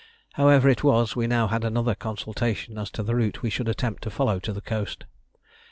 However it was, we now had another consultation as to the route we should attempt to follow to the coast.